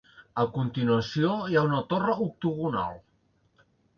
A continuació hi ha una torre octogonal.